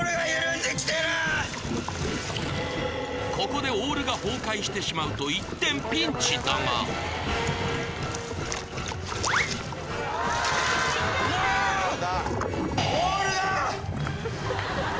ここでオールが崩壊してしまうと一転ピンチだがうわオールが！